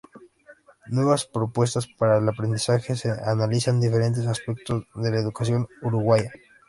Nuevas propuestas para el aprendizaje", se analizan diferentes aspectos de la educación uruguaya.